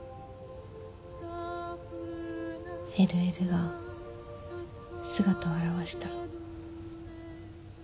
ＬＬが姿を現したの。